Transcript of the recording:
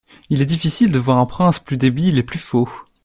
Il est difficile de voir un prince plus débile et plus faux.